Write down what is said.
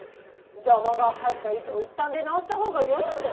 「邪魔が入った以上いったん出直したほうがよいのでは？」。